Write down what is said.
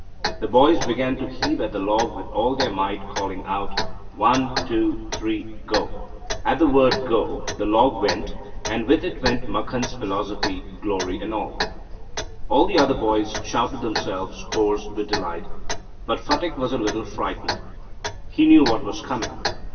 The boys began to heave at the log with all their might, calling out, "One, two, three, go," At the word "go" the log went; and with it went Makhan's philosophy, glory and all. All the other boys shouted themselves hoarse with delight. But Phatik was a little frightened. He knew what was coming.